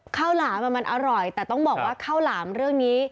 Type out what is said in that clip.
หลามมันอร่อยแต่ต้องบอกว่าข้าวหลามเรื่องนี้